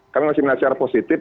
kami masih melihat secara positif